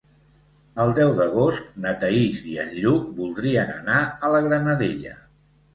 El deu d'agost na Thaís i en Lluc voldrien anar a la Granadella.